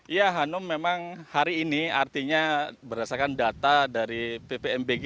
ya hanum memang hari ini artinya berdasarkan data dari ppmbg